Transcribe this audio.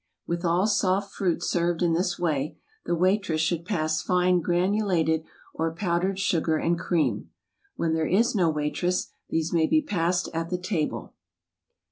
With all soft fruit served in this way, the waitress should pass fine granulated or powdered sugar and cream. When there is no waitress, these may be passed at the table.